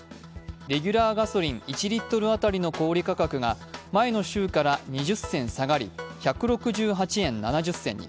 レギュラーガソリン１リットル当たりの小売価格が前の週から２０銭下がり１６８円７０銭に。